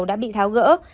cầu đã bị tháo gỡ